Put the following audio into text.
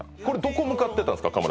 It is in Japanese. これどこ向かってたんすか？